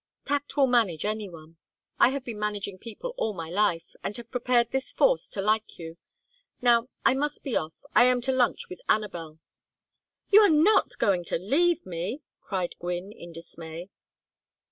Tact will manage any one. I have been managing people all my life, and have prepared this force to like you. Now I must be off. I am to lunch with Anabel." "You are not going to leave me!" cried Gwynne, in dismay.